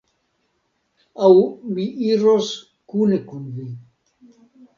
aŭ mi iros kune kun vi.